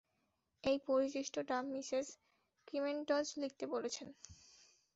এই পরিশিষ্টটা Mrs Krementz লিখতে বলেছেন।